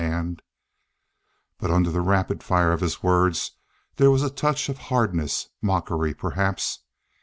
And " But under the rapid fire of his words there was a touch of hardness mockery, perhaps.